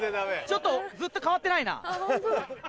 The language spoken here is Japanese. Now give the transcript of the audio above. ちょっとずっと変わってないな。